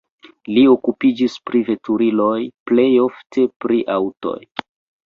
Li okupiĝas pri veturiloj, plej ofte pri aŭtoj.